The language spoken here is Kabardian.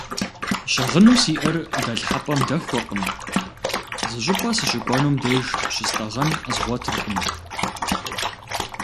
Щыгъыну сиӏэр дэлъхьэпӏэм дэхуэкъым, зы щӏыпӏэ сыщыкӏуэнум деж щыстӏэгъэн згъуэтыркъым.